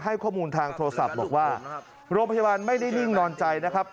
ให้ข้อมูลทางโทรศัพท์บอกว่าโรงพยาบาลไม่ได้นิ่งนอนใจนะครับ